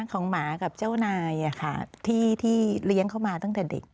หมากับเจ้านายที่เลี้ยงเข้ามาตั้งแต่เด็ก